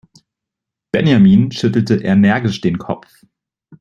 Benjamin schüttelte energisch den Kopf.